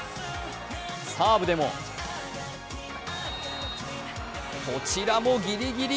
サーブでもこちらもギリギリ。